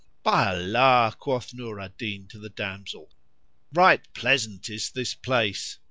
"By Allah," quoth Nur al Din to the damsel, "right pleasant is this place!"